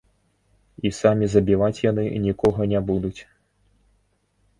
І самі забіваць яны нікога не будуць.